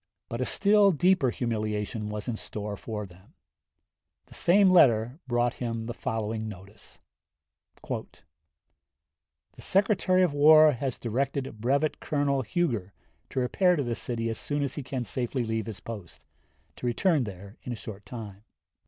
But a still deeper humiliation was in store for them, The same letter brought him the following notice: "The Secretary of War has directed Brevet Colonel Huger to repair to this city as soon as he can safely leave his post, to return there in a short time.